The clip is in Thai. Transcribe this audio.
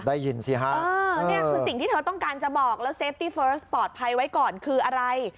ได้ยินสิฮะนี่คือสิ่งที่เธอต้องการจะบอกแล้วเซฟตี้เฟอร์สปลอดภัยไว้ก่อนคืออะไร